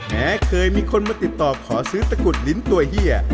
แม้เคยมีคนมาติดต่อขอซื้อตะกุดลิ้นตัวเฮีย